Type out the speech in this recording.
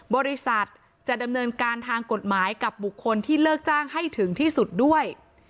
บริษัทจะดำเนินการทางกฎหมายกับบุคคลที่เลิกจ้างให้ถึงที่สุดด้วย